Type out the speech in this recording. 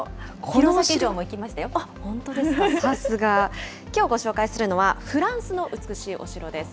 さすが、きょうご紹介するのはフランスの美しいお城です。